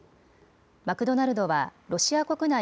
マクドナルドはロシア国内